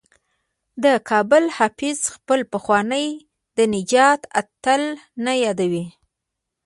د کابل حافظه خپل پخوانی د نجات اتل نه یادوي.